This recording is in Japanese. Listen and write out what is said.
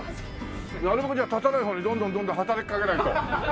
なるほどじゃあ建たない方にどんどんどんどん働きかけないと。